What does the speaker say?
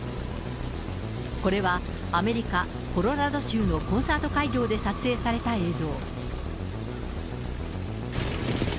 これはアメリカ・コロラド州のコンサート会場で撮影された映像。